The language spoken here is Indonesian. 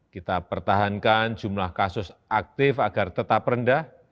kita pertahankan jumlah kasus aktif agar tetap rendah